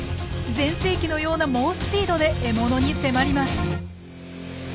全盛期のような猛スピードで獲物に迫ります。